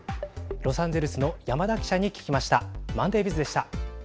ロサンゼルスの山田記者に聞きました。